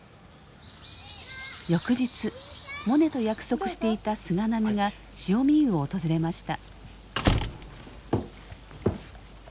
翌日モネと約束していた菅波が汐見湯を訪れました。